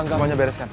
eh semuanya bereskan